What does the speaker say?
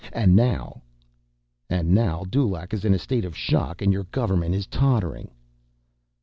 And now—" "And now Dulaq is in a state of shock, and your government is tottering."